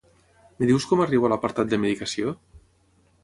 Em dius com arribo a l'apartat de medicació?